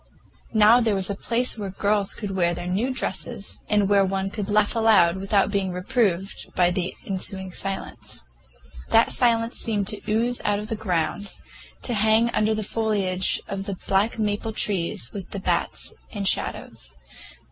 Now there was a place where the girls could wear their new dresses, and where one could laugh aloud without being reproved by the ensuing silence. That silence seemed to ooze out of the ground, to hang under the foliage of the black maple trees with the bats and shadows.